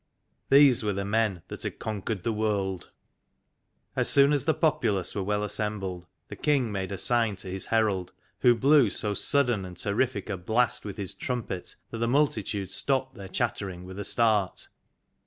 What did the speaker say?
These were the men that had conquered the world. io THE LAST GENERATION As soon as the populace were well assembled the King made a sign to his Herald, who blew so sudden and terrific a blast with his trumpet that the multi tude stopped their chattering with a start.